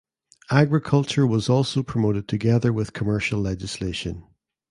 Agriculture was also promoted together with commercial legislation.